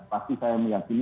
pasti saya meyakini ada